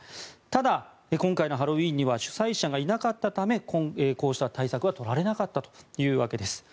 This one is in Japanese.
ただ、今回のハロウィーンには主催者がいなかったためこうした対策は取られなかったというわけです。